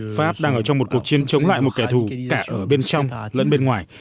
pháp đang ở trong một cuộc chiến chống lại một kẻ thù cả ở bên trong lẫn bên ngoài